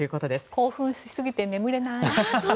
興奮しすぎて眠れない。